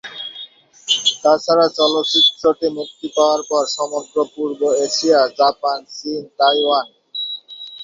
তাছাড়া চলচ্চিত্রটি মুক্তি পাওয়ার পর সমগ্র পূর্ব এশিয়া- জাপান, চীন, তাইওয়ান।